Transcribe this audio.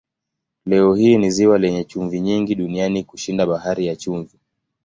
Leo hii ni ziwa lenye chumvi nyingi duniani kushinda Bahari ya Chumvi.